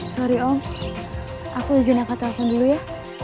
sorry om aku izin aku telepon dulu ya